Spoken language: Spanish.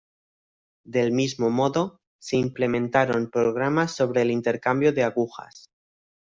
Del mismo modo, se implementaron programas sobre el intercambio de agujas.